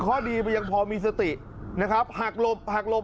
ข้อดีมันยังพอมีสตินะครับหักหลบหักหลบ